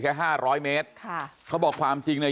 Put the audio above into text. แค่๕๐๐เมตรเขาบอกความจริงเนี่ย